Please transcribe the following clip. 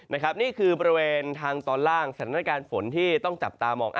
นี่คือบริเวณทางตอนล่างสถานการณ์ฝนที่ต้องจับตามอง